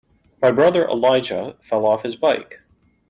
My brother Elijah fell off his bike.